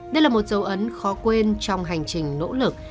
đây là một dấu ấn khó quên trong hành trình nỗ lực